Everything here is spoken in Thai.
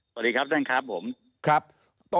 สวัสดีครับท๊ายคับผม